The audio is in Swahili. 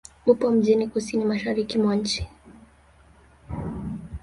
Upo mjini kusini-mashariki mwa nchi.